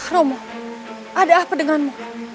romo ada apa denganmu